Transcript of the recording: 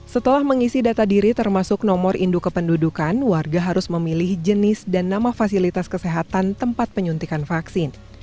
setelah mengisi data diri termasuk nomor induk kependudukan warga harus memilih jenis dan nama fasilitas kesehatan tempat penyuntikan vaksin